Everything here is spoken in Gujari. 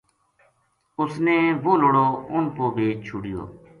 اُس نے وہ لڑو اُنھ پو بیچ چھوڈیو